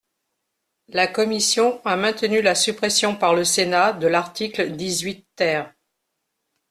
La commission a maintenu la suppression par le Sénat de l’article dix-huit ter.